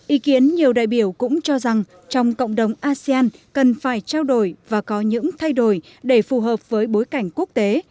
ý kiến nhiều đại biểu cũng cho rằng trong cộng đồng asean cần phải trao đổi và có những thay đổi để phù hợp với bối cảnh quốc tế